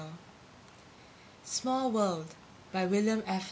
_ small world _by WILLIAM F.